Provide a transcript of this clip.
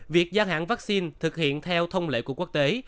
việc gia hạn vaccine thực hiện theo thông lệ của quốc tế